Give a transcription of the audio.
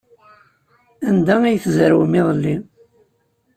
Anda ay tzerwem iḍelli?